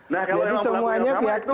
jadi semuanya pihak tahu